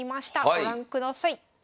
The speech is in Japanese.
ご覧ください。